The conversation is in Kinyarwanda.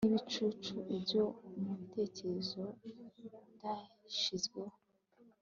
Nkibicucu ibyo mubitekerezo byashizweho